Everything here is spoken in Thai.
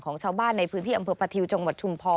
ของชาวบ้านในพื้นที่อำเภอประทิวจังหวัดชุมพร